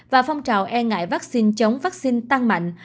và phong trào e ngại vaccine chống vaccine tăng mạnh